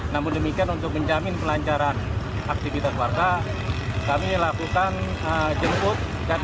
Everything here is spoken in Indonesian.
namun demikian untuk menjamin kelancaran aktivitas warga kami lakukan jemput